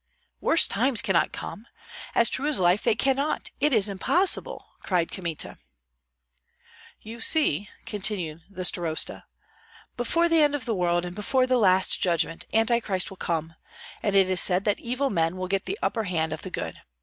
"Worse times cannot come! As true as life, they cannot! It is impossible!" cried Kmita. "You see," continued the starosta, "before the end of the world and before the last judgment Antichrist will come, and it is said that evil men will get the upper hand of the good.